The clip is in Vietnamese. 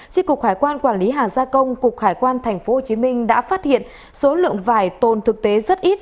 tri cục hải quan quản lý hàng gia công cục hải quan tp hcm đã phát hiện số lượng vải tồn thực tế rất ít